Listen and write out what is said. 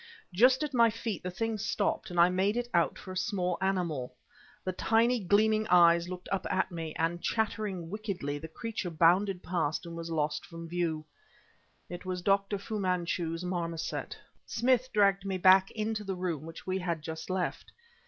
Just at my feet the thing stopped and I made it out for a small animal. The tiny, gleaming eyes looked up at me, and, chattering wickedly, the creature bounded past and was lost from view. It was Dr. Fu Manchu's marmoset. Smith dragged me back into the room which we had just left.